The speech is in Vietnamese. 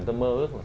tôi mơ ước